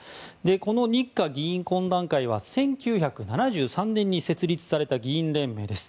この日華議員懇談会は１９７３年に設立された議員連盟です。